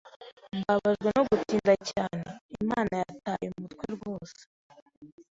Mbabajwe no gutinda cyane. Inama yataye umutwe rwose.